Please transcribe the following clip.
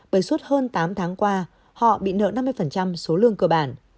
bởi suốt hơn tám tháng qua họ bị nợ năm mươi số lương cơ bản